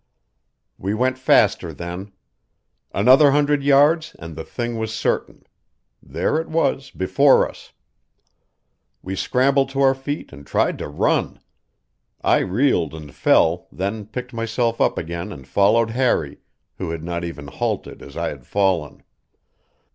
We went faster then. Another hundred yards, and the thing was certain; there it was before us. We scrambled to our feet and tried to run; I reeled and fell, then picked myself up again and followed Harry, who had not even halted as I had fallen.